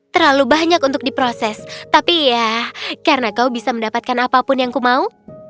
terlalu banyak untuk diproses tapi ya karena kau bisa mendapatkan apapun yang kumau